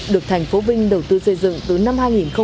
được thành phố vinh đầu tư xây dựng từ năm hai nghìn một mươi